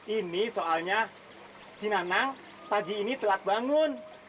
ini soalnya si nanang pagi ini telat bangun